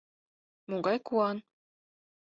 Могай куан!